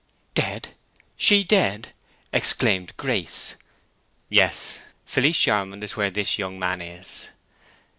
"Dead—she dead?" exclaimed Grace. "Yes. Felice Charmond is where this young man is."